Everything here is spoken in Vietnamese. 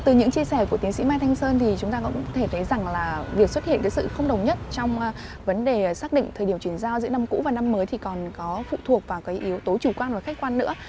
từ những chia sẻ của tiến sĩ mai thanh sơn thì chúng ta cũng có thể thấy rằng là việc xuất hiện cái sự không đồng nhất trong vấn đề xác định thời điểm chuyển giao giữa năm cũ và năm mới thì còn có phụ thuộc vào cái yếu tố chủ quan và khách quan nữa